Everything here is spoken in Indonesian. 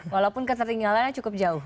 walaupun ketertinggalannya cukup jauh